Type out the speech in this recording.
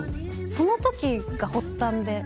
その時が発端で。